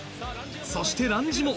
そしてランジも。